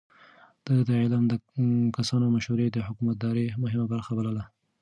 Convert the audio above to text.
ده د علمي کسانو مشورې د حکومتدارۍ مهمه برخه بلله.